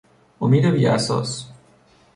امید بی اساس